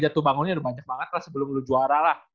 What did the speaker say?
jatuh bangunnya udah banyak banget lah sebelum lu juara lah